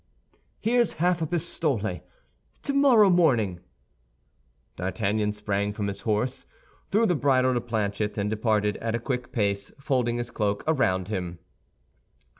"Here's half a pistole. Tomorrow morning." D'Artagnan sprang from his horse, threw the bridle to Planchet, and departed at a quick pace, folding his cloak around him.